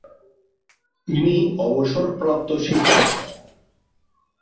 তিনি অবসরপ্রাপ্ত শিক্ষক।